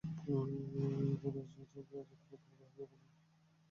গোর-এ শহীদ মাজারটি বর্তমানে হাজি রহিম বকশের পরিবারের তত্ত্বাবধানে পরিচালিত হচ্ছে।